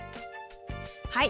はい。